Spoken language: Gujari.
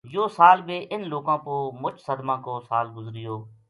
یوہ سال بھی اِنھ لوکاں پو مُچ صدما کو سال گُزریو